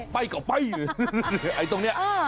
ไปก่อนไปไอ้ตรงเนี่ย